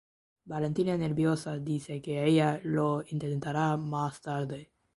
Valentina nerviosa dice que ella lo intentará más tarde.